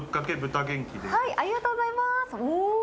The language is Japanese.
ありがとうございます。